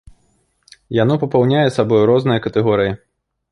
Яно папаўняе сабою розныя катэгорыі.